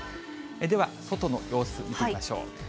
では、外の様子、見てみましょう。